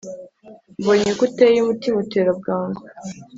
Mbonye uko uteye umutima utera bwangu